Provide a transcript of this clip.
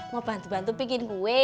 mau bantu bantu bikin kue